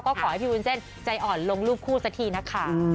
ก็ขอให้พี่วุ้นเส้นใจอ่อนลงรูปคู่สักทีนะคะ